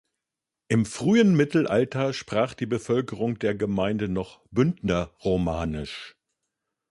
Im frühen Mittelalter sprach die Bevölkerung der Gemeinde noch Bündnerromanisch.